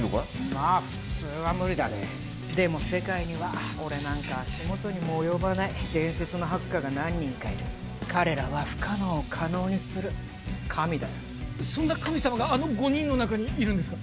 まあ普通は無理だねでも世界には俺なんか足元にも及ばない伝説のハッカーが何人かいる彼らは不可能を可能にする神だよそんな神様があの５人の中にいるんですか？